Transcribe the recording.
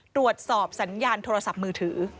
ตรวจสอบสัญญาณโทรศัพท์มือถือ